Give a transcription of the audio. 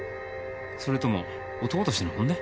それとも男としての本音？